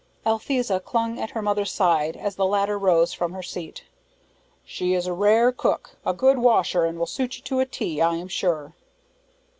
Althesa clung to her mother's side, as the latter rose from her seat. "She is a rare cook, a good washer, and will suit you to a T, I am sure."